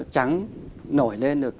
trắng nổi lên được